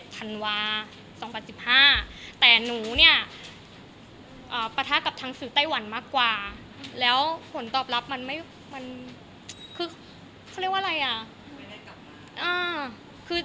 จริงแล้วหนูทำเรื่องในมาตั้งแต่วันที่๒๗ธันวาคฑฯ